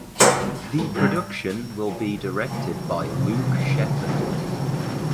The production will be directed by Luke Sheppard.